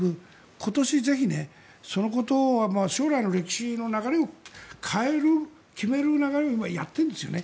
今年、ぜひ、そのことは将来の歴史の流れを変える決める流れをやってるんですよね。